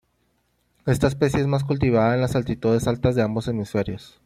Esta especie es más cultivada en las latitudes altas de ambos hemisferios.